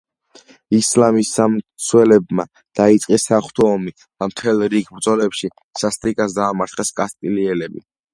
ისლამის ამ მცველებმა დაიწყეს საღვთო ომი და მთელ რიგ ბრძოლებში სასტიკად დაამარცხეს კასტილიელები.